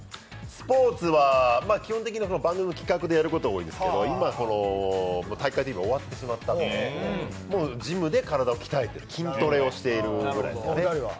スポーツは基本的には番組の企画でやることが多いですけど、今、「体育会ＴＶ」が終わってしまったので、もうジムで体を鍛えて筋トレをしてるぐらいですね。